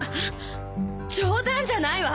冗談じゃないわ！